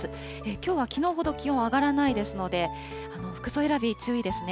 きょうはきのうほど気温上がらないですので、服装選び、注意ですね。